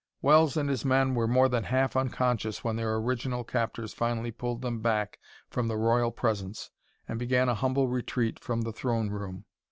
Wells and his men were more than half unconscious when their original captors finally pulled them back from the royal presence and began a humble retreat from the throne room.